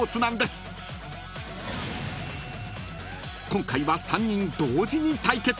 ［今回は３人同時に対決］